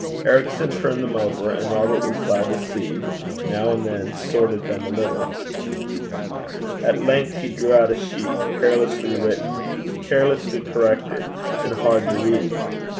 Ericson turned them over, and, Robert was glad to see, now and then sorted them a little. At length he drew out a sheet, carelessly written, carelessly corrected, and hard to read.